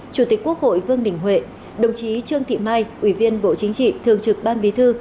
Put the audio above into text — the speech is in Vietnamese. chủ tịch quốc hội vương đình huệ đồng chí trương thị mai ủy viên bộ chính trị thường trực ban bí thư